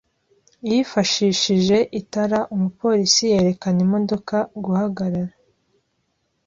Yifashishije itara, umupolisi yerekana imodoka guhagarara.